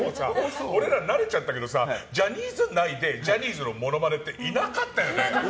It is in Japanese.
俺ら慣れちゃったけどさジャニーズ内でジャニーズのモノマネっていなかったよね。